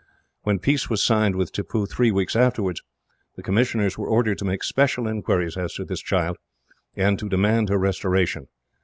When peace was signed with Tippoo, three weeks afterwards, the commissioners were ordered to make special inquiries as to this child, and to demand her restoration.